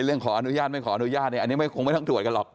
เรื่องขออนุญาตไม่ขออนุญาตอันนี้คงไม่ตั้งตรวจกันหรอก